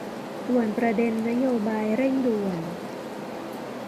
ส่วนประเด็นนโยบายเร่งด่วน